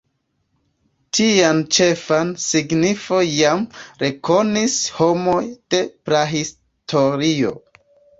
Tian ĉefan signifon jam rekonis homoj de prahistorio.